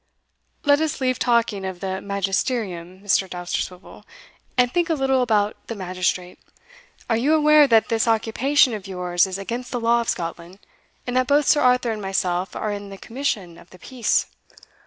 "Let us leave talking of the magisterium, Mr. Dousterswivel, and think a little about the magistrate. Are you aware that this occupation of yours is against the law of Scotland, and that both Sir Arthur and myself are in the commission of the peace?"